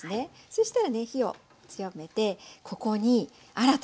そうしたらね火を強めてここに新たに。